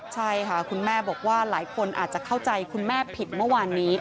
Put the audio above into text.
ใช่ค่ะคุณแม่บอกว่าหลายคนอาจจะเข้าใจคุณแม่ผิดเมื่อวานนี้